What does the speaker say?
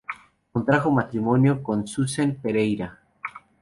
Contrajo matrimonio con Suzanne Pereyra.